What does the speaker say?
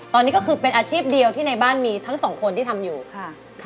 ตอนนี้ก็คือเป็นอาชีพเดียวที่ในบ้านมีทั้งสองคนที่ทำอยู่ค่ะ